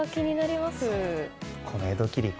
この江戸切子